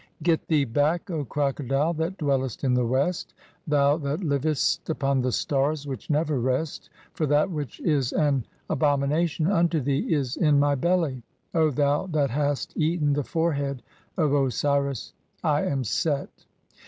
"Get thee back, O Crocodile that dwellest in the West, thou 'that livest upop the stars which never rest, (3) for that which 'is an abomination unto thee is in my belly, O thou that hast 'eaten the forehead of Osiris. I am Set."